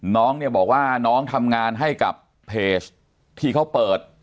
น้องเนี่ยบอกว่าน้องทำงานให้กับเพจที่เขาเปิด